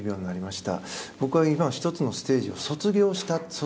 僕は今１つのステージを卒業した。